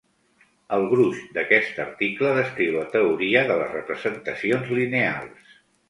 El gruix d'aquest article descriu la teoria de les representacions lineals.